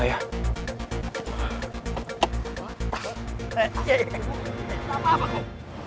tak apa pak